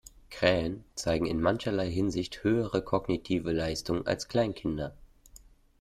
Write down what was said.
Krähen zeigen in mancherlei Hinsicht höhere kognitive Leistungen als Kleinkinder.